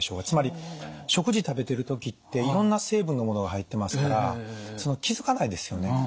つまり食事食べてる時っていろんな成分のものが入ってますから気付かないですよね。